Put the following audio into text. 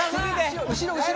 後ろ後ろ！